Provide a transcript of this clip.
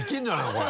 これ。